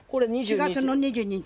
４月の２２日。